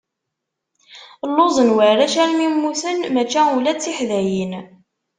Lluẓen warrac armi mmuten, maca ula d tiḥdayin.